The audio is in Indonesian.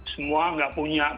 semua nggak punya prestasi